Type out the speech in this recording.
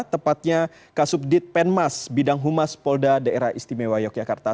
tepatnya kasubdit penmas bidang humas polda daerah istimewa yogyakarta